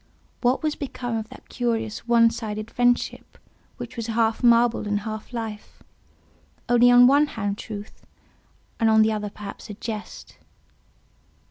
What was become of that curious one sided friendship which was half marble and half life; only on one hand truth, and on the other perhaps a jest?